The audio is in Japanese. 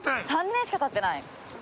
３年しか経ってない。